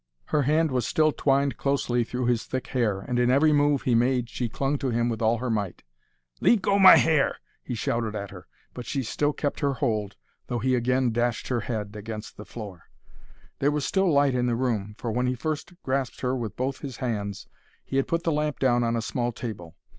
Her hand was still twined closely through his thick hair, and in every move he made she clung to him with all her might. "Leave go my hair," he shouted at her, but she still kept her hold, though he again dashed her head against the floor. There was still light in the room, for when he first grasped her with both his hands, he had put the lamp down on a small table.